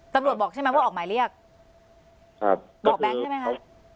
บอกใช่ไหมว่าออกหมายเรียกครับบอกแบงค์ใช่ไหมคะ